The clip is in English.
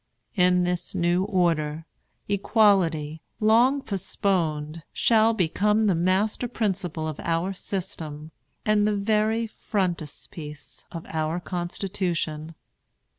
In this new order, equality, long postponed, shall become the master principle of our system, and the very frontispiece of our Constitution.